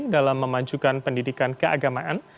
dalam memajukan pendidikan keagamaan